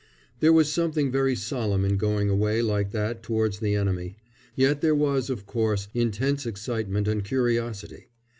There was something very solemn in going away like that towards the enemy; yet there was, of course, intense excitement and curiosity.